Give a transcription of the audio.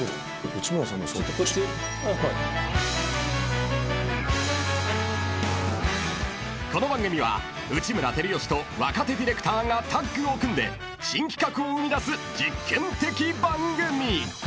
［この番組は内村光良と若手ディレクターがタッグを組んで新企画を生み出す実験的番組］